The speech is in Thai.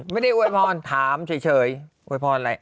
ไม่ได้อวยพรถามเฉยอวยพรอะไร